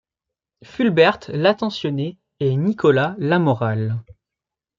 Fulbert l’attentionné et Nicolas l’amoral.